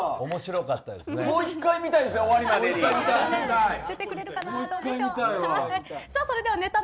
もう１回見たいですね。